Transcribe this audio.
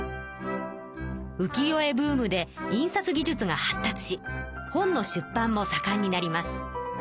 浮世絵ブームで印刷技術が発達し本の出版もさかんになります。